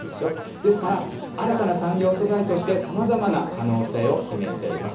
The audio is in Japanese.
ですから、新たな産業素材として、さまざまな可能性を秘めています。